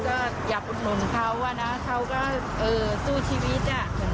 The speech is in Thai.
ก็อยากอุดหนุนเขาอะนะเขาก็สู้ชีวิต